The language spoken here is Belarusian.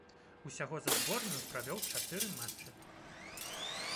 Усяго за зборную правёў чатыры матчы.